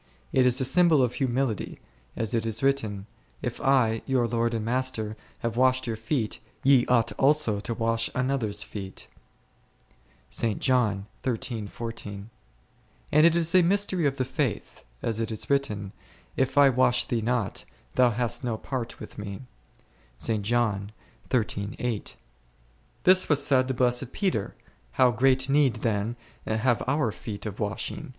It is a symbol of humility, as it is written, If I, your Lord and Master, have washed your feet, ye ought also to wash one another's feet f ; and it is a mystery of the faith, as it is written, If I wash thee not, thou hast no part with Me%. This was said to blessed Peter, how great need then have our feet of washing